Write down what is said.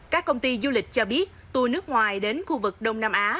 các công ty du lịch cho biết tour nước ngoài đến khu vực đông nam á